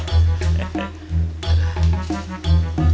silahkan dimakan pak haji